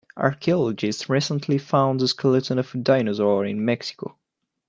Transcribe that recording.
Archaeologists recently found the skeleton of a dinosaur in Mexico.